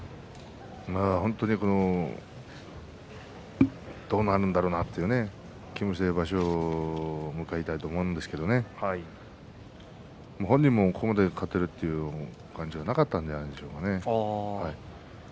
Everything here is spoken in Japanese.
本当にどうなるんだろうなという気持ちで場所を迎えたと思うんですけども本人もここまで勝てるという感じはなかったんじゃないでしょうかね。